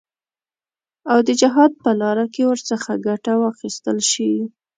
او د جهاد په لاره کې ورڅخه ګټه واخیستل شي.